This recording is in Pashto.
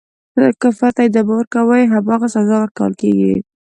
کفر ته ادامه ورکوي هماغه سزا ورکوله کیږي.